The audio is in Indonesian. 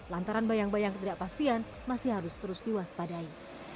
lantaran bayang bayang ketidakpastian masih harus terus diwaspadai